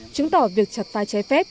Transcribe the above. chứng tỏ việc chặt phai cháy phép